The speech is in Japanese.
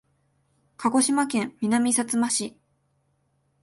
鹿児島県南さつま市